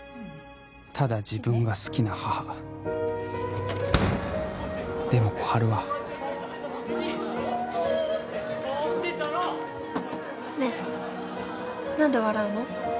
ただ自分が好きな母でも小春はねえ何で笑うの？